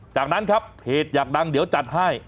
จากนั้นครับเพจอยากดังเดี๋ยวจัดให้